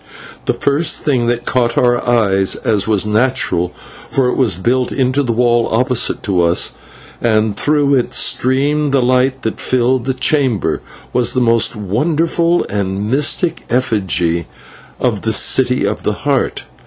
The first thing that caught our eyes, as was natural, for it was built into the wall opposite to us, and through it streamed the light that filled the chamber, was the most wonderful and mystic effigy in the City of the Heart.